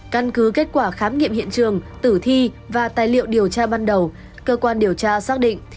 căn cứ kết quả khám nghiệm hiện trường tử thi và tài liệu điều tra ban đầu cơ quan điều tra xác định